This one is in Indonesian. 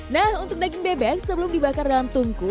nah untuk daging bebek sebelum dibakar dalam tungku